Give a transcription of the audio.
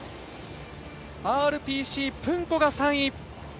ＲＰＣ、プンコが３位。